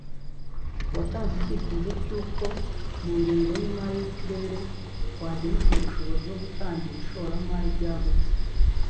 watanze icyifuzo cy’uko mu ngengo y’imari uturere twagenerwa ubushobozi bwo gutangiza ishoramari ryagutse